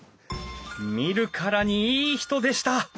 見るからにいい人でした！